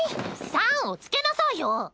「さん」を付けなさいよ。